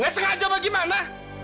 gak sengaja bagaimana